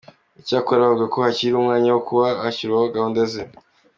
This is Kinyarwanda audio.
Icyakora bavuga ko hakiri umwanya wo kuba yashyiraho gahunda ze.